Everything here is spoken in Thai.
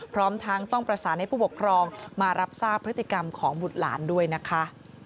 พร้อมทั้งต้องประสานให้ผู้ปกครองมารับทราบพฤติกรรมของบุตรหลานด้วยนะคะ